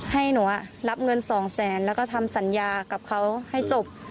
ให้หนูรับเงินสองแสนแล้วก็ทำสัญญากับเขาให้จบ